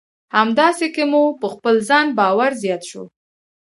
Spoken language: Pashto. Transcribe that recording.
همداسې که مو په خپل ځان باور زیات شو.